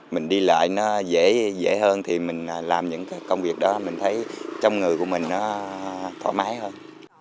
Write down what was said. mình đi lại nó dễ dễ hơn thì mình làm những cái công việc đó mình thấy trong người của mình nó thoải mái hơn